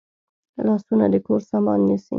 لاسونه د کور سامان نیسي